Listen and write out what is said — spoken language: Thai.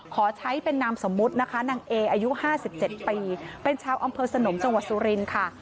ขอใช้เป็นนามสมมุตินะคะนางเออายุ๕๗ปีเป็นชาวอำเภอสนมจังหวัดสุรินทร์ค่ะ